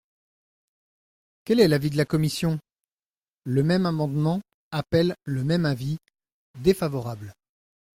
Quel est l’avis de la commission ? Le même amendement appelle le même avis : défavorable.